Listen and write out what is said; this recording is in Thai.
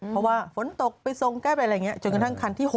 เพราะว่าฝนตกไปทรงใกล้ไปอะไรอย่างนี้จนกระทั่งคันที่๖